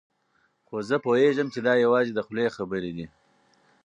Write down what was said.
خو زه پوهېږم چې دا یوازې د خولې خبرې دي.